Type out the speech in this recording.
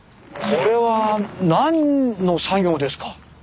これは何の作業ですか？